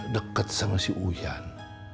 deket sama si uyan